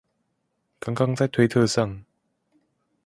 剛剛在推特上